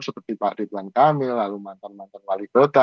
seperti pak ridwan kamil lalu mantan mantan wali kota